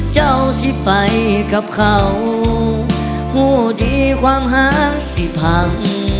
เจ้าสิไปกับเขาผู้ดีความหาสิพัง